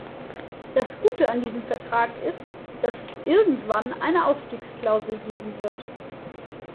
Das Gute an diesem Vertrag ist, dass es irgendwann eine Ausstiegsklausel geben wird.